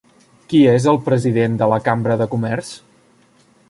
Qui és el president de la Cambra de Comerç?